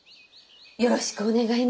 よろしくお願い申し上げます。